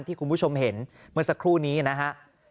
ที่คุณผู้ชมเห็นเมื่อสักครู่นี้นะฮะ